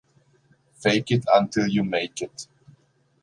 Fake it until you make it.